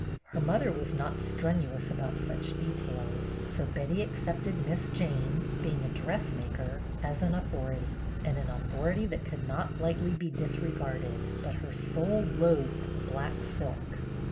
Her mother was not strenuous about such details, so Betty ac cepted Miss Jane — being a dressmaker — as an authority, and an authority that could not lightly be disregarded ; but her soul loathed the black silk.